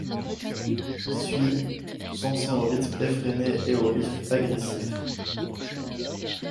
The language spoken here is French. Suit ', chanson au rythme effréné et au riff agressif.